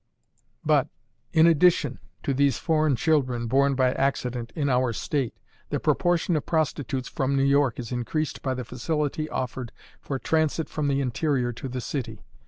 But, in addition to these foreign children born by accident in our state, the proportion of prostitutes from New York is increased by the facility offered for transit from the interior to the city.